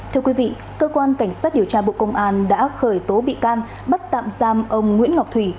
thưa quý vị cơ quan cảnh sát điều tra bộ công an đã khởi tố bị can bắt tạm giam ông nguyễn ngọc thủy